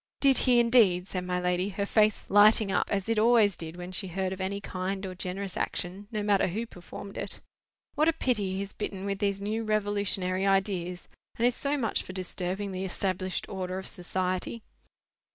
"Did he, indeed!" said my lady, her face lighting up, as it always did when she heard of any kind or generous action, no matter who performed it. "What a pity he is bitten with these new revolutionary ideas, and is so much for disturbing the established order of society!"